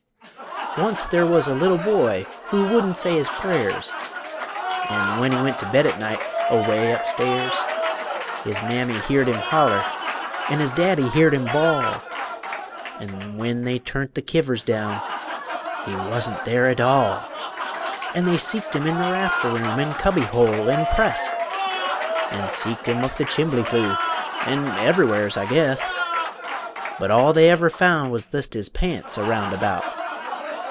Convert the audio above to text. Onc't there was a little boy wouldn't say his pray'rs An' when he went to bed at night, away up stairs, His mammy heerd him holler, an' his daddy heerd him bawl, An' when they turn't the kivvers down, he wasn't there at all! An' they seeked him in the rafter room, an' cubby hole, an' press, An' seeked him up the chimbly flue, an' ever'wheres, I guess; But all they ever found was thist his pants an' roundabout!